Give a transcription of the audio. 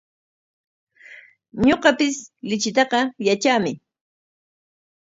Ñuqapis lichitaqa yatraami.